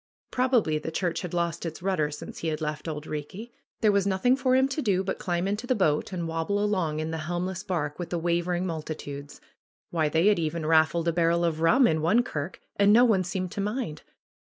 Probably the church had lost its rudder since he had left Auld Eeekie. There was nothing for him to do but climb into the boat and wob ble along in the helmless barque with the wavering mul titudes. Why, they had even raffled a barrel of rum in one kirk, and no one seemed to mind